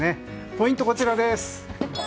ポイントはこちらです。